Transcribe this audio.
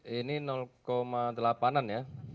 ini delapan an ya